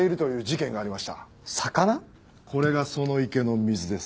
これがその池の水です。